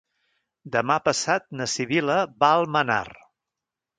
Demà passat na Sibil·la va a Almenar.